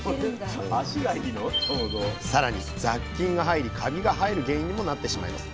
さらに雑菌が入りカビが生える原因にもなってしまいます。